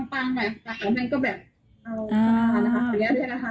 พรุ่งนี้เลน่งจะปล่อยแล้วดีกันค่ะ